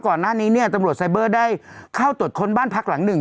ก่อนหน้านี้เนี่ยตำรวจไซเบอร์ได้เข้าตรวจค้นบ้านพักหลังหนึ่ง